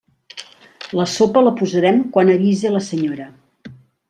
La sopa la posarem quan avise la senyora.